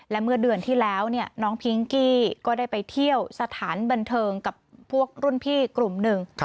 และเมื่อเดือนที่แล้วน้องพิงกี้ก็ได้ไปเที่ยวสถานบันเทิงกับพวกรุ่นพี่กลุ่มหนึ่ง